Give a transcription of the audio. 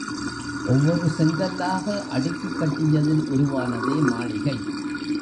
ஒவ்வொரு செங்கல்லாக அடுக்கிக் கட்டியதில் உருவானதே மாளிகை.